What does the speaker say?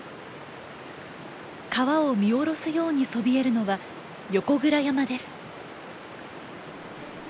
川を見下ろすようにそびえるのは横倉山です。